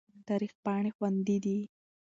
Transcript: تاریخ پاڼې خوندي دي.